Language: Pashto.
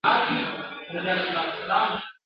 یوه ورځ به د ښکاري چړې ته لویږي ..